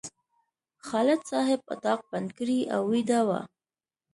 خالد صاحب اتاق بند کړی او ویده و.